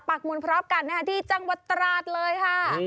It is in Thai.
ปรักมุณพร้อมกันในจังหวัดตราดเลยค่ะ